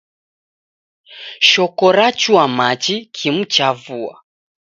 Shoko rachua machi kimu cha vua.